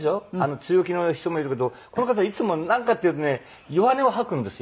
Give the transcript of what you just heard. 強気の人もいるけどこの方いつもなんかっていうとね弱音を吐くんですよ。